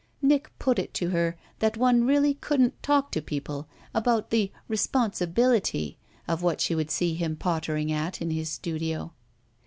Nick put it to her that one really couldn't talk to people about the "responsibility" of what she would see him pottering at in his studio.